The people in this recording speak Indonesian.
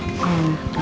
ntar dia mulejak